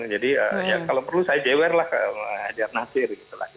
jadi kalau perlu saya jewer lah ke mas haider nasir